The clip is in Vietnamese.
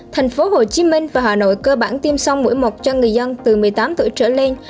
thành phố hồ chí minh và hà nội cơ bản tiêm xong mũi một cho người dân từ một mươi tám tuổi trở lên